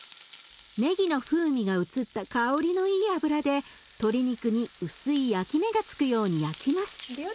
ねぎの風味が移った香りのいい油で鶏肉に薄い焼き目がつくように焼きます。